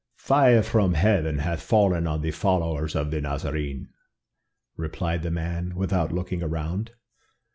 "Fire from heaven hath fallen on the followers of the Nazarene," replied the man, without looking around.